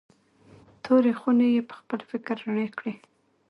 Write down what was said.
تورې خونې یې پخپل فکر رڼې کړې.